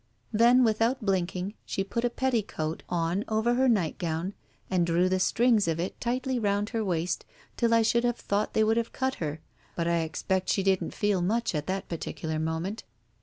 Then without blinking, she put a petticoat on over her nightgown, and drew the strings of it tightly round her waist till I should have thought they would have cut her, but I expect she didn't feel much at that particular moment.